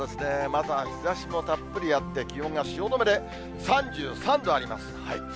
まだ日ざしもたっぷりあって気温が汐留で３３度あります。